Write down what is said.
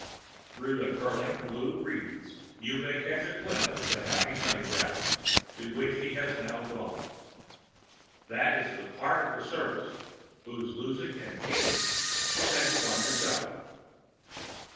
Through the curling blue wreaths you may catch a glimpse of the happy hunting grounds to which he has now gone. That is the part of the service whose losing or gaining depends upon yourself.